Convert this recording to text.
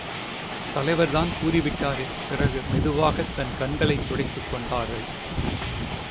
தலைவர்தான் கூறிவிட்டாரே! பிறகு, மெதுவாகத் தன் கண்களைத் துடைத்துக் கொண்டர்ள்.